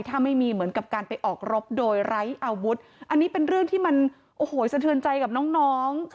ถ้าไม่มีเหมือนกับการไปออกรบโดยไร้อาวุธอันนี้เป็นเรื่องที่มันโอ้โหสะเทือนใจกับน้องน้อง